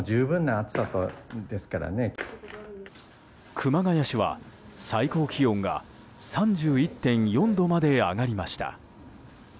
熊谷市では最高気温が３１．４度まで上がりました。